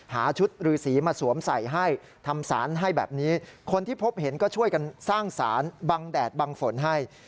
หาชุดรือสีมาสวมใส่ให้ทำสารให้แบบนี้คนที่พบเห็นก็ช่วยกันสร้างสารบังแดดบังฝนให้